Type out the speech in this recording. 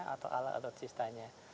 atau alat alat sista nya